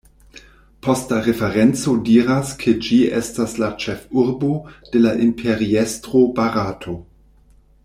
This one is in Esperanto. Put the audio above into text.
Posta referenco diras ke ĝi estas la ĉefurbo de la Imperiestro Barato.